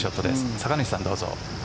酒主さん、どうぞ。